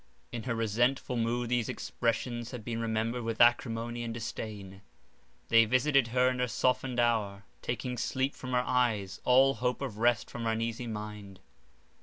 In her resentful mood, these expressions had been remembered with acrimony and disdain; they visited her in her softened hour, taking sleep from her eyes, all hope of rest from her uneasy mind.